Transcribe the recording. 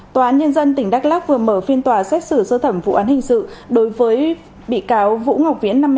tòa án nhân dân tỉnh đắk lắc vừa mở phiên tòa xét xử sơ thẩm vụ án hình sự đối với bị cáo vũ ngọc viễn